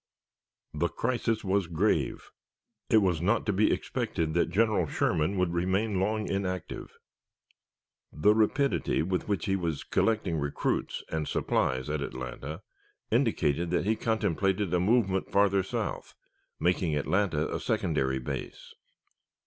The crisis was grave. It was not to be expected that General Sherman would remain long inactive. The rapidity with which he was collecting recruits and supplies at Atlanta indicated that he contemplated a movement farther south, making Atlanta a secondary base.